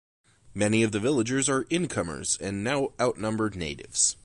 Many of the villagers are "incomers" and now outnumber "natives".